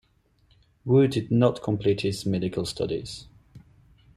Wu did not complete his medical studies.